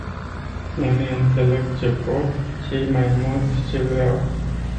Unii ințeleg ce pot, cei mai mulți ce vreau.